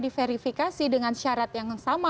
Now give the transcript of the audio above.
diverifikasi dengan syarat yang sama